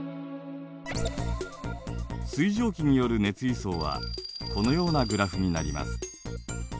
水蒸気による熱輸送はこのようなグラフになります。